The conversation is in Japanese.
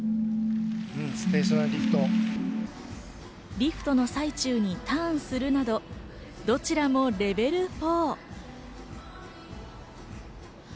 リフトの最中にターンするなど、どちらもレベル４。